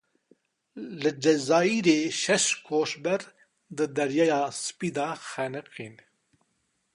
Li Cezayîrê şeş koçber di Deryaya Spî de xeniqîn.